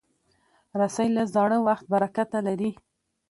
رسۍ له زاړه وخت برکته لري.